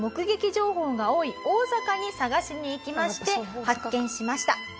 情報が多い大阪に探しに行きまして発見しました。